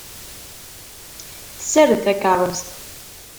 Tessared takeṛṛust.